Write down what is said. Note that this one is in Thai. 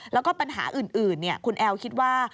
แล้วก็ปัญหาอื่นคุณแอลคิดว่า